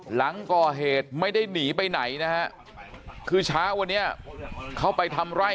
หลังก่อเหตุไม่ได้หนีไปไหนนะฮะคือเช้าวันนี้เขาไปทำไร่